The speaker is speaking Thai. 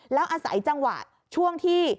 แล้วอาศัยจังหวะช่วงที่